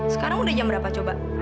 sekarang udah jam berapa coba